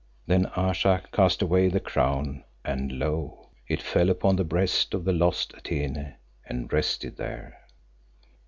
Then Ayesha cast away the crown and lo! it fell upon the breast of the lost Atene and rested there.